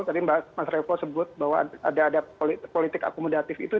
jadi dua ribu empat belas betul tadi mas revo sebut bahwa ada ada politik akomodatif itu